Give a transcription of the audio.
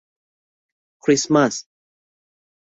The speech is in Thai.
คริสต์มาส